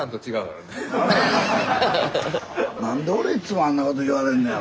何で俺いっつもあんなこと言われんねやろ。